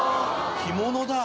着物だ！